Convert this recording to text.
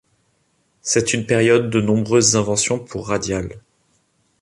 C'est une période de nombreuses inventions pour Radiall.